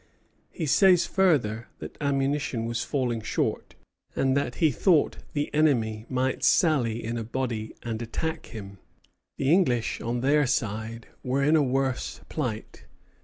He says further that ammunition was falling short, and that he thought the enemy might sally in a body and attack him. The English, on their side, were in a worse plight.